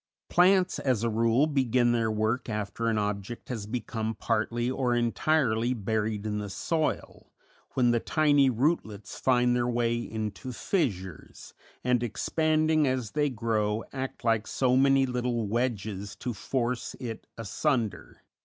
Plants, as a rule, begin their work after an object has become partly or entirely buried in the soil, when the tiny rootlets find their way into fissures, and, expanding as they grow, act like so many little wedges to force it asunder.